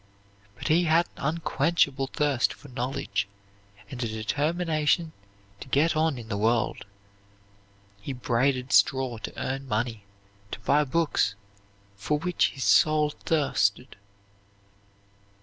But he had an unquenchable thirst for knowledge and a determination to get on in the world. He braided straw to earn money to buy books for which his soul thirsted.